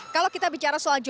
kalau kita bicara soal jawa barat